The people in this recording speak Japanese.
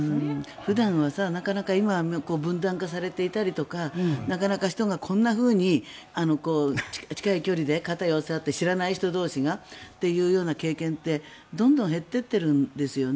普段はなかなか今、分断化されていたりとかなかなか人がこんなふうに近い距離で肩を寄せ合って知らない人同士がっていうような経験ってどんどん減っていっているんですよね。